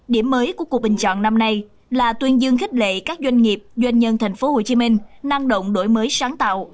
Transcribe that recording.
điểm mới của cuộc bình chọn năm nay là tuyên dương khích lệ các doanh nghiệp doanh nhân tp hcm năng động đổi mới sáng tạo